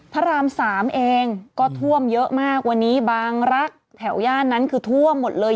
พระราม๓เองก็ท่วมเยอะมากวันนี้บางรักแถวย่านนั้นคือท่วมหมดเลย